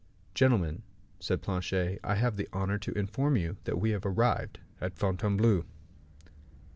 "Gentlemen," said Planchet, "I have the honor to inform you that we have arrived at Fontainebleau."